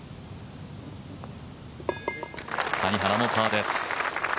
谷原もパーです。